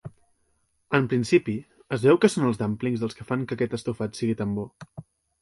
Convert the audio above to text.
En principi, es veu que són els "dumplings" els que fan que aquest estofat sigui tan bo.